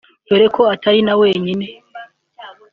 dore ko atari na wenyine